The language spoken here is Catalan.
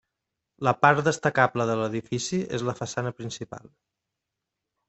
La part destacable de l'edifici és la façana principal.